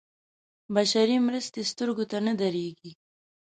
بشري مرستې سترګو ته نه درېږي.